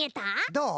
どう？